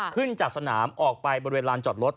ขึ้นจากสนามออกไปบริเวณลานจอดรถ